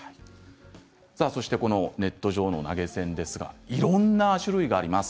そしてネット上の投げ銭ですがいろんな種類があります。